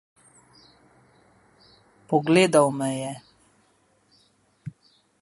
Pogledal me je.